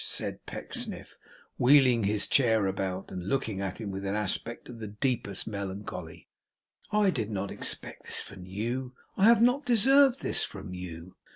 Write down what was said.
said Pecksniff, wheeling his chair about, and looking at him with an aspect of the deepest melancholy, 'I did not expect this from you. I have not deserved this from you!